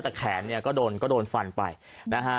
แต่แขนเนี่ยก็โดนก็โดนฟันไปนะฮะ